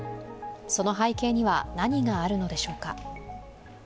その背景には何があるのでしょうか？